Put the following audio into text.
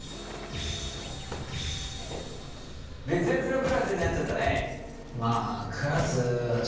別々のクラスになっちゃったね。